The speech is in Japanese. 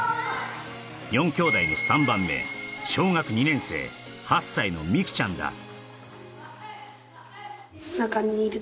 ４兄妹の３番目小学２年生８歳の美空ちゃんだ